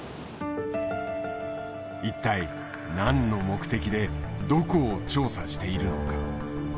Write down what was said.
一体何の目的でどこを調査しているのか？